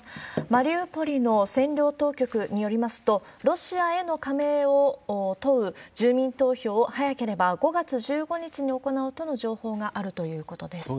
マリウポリの占領当局によりますと、ロシアへの加盟を問う住民投票を、早ければ５月１５日に行うとの情報があるということです。